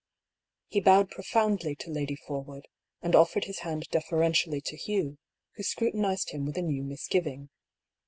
He bowed profoundly to Lady Forwood, and offered his hand deferentially to Hugh, who scrutinised him with a new misgiving.